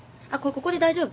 ここで大丈夫？